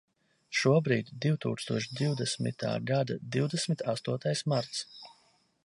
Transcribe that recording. Šobrīd divtūkstoš divdesmitā gada divdesmit astotais marts.